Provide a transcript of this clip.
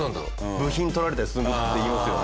部品盗られたりするっていいますよね。